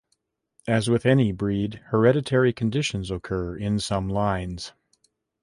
As with any breed, hereditary conditions occur in some lines.